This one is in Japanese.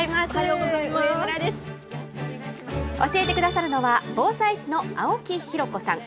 教えてくださるのは、防災士の青木紘子さん。